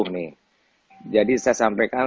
nih jadi saya sampaikan